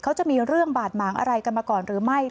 เขาจะมีเรื่องบาดหมางอะไรกันมาก่อนหรือไม่